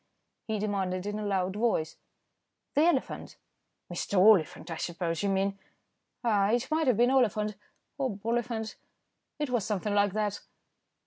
he demanded in a loud voice. "The elephant." "Mr. Oliphant, I suppose you mean." "Ah! it might have been Oliphant, or Boliphant, it was something like that."